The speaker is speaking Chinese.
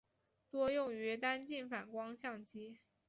多用于单镜反光相机。